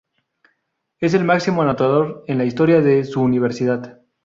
Es el máximo anotador en la historia de su universidad.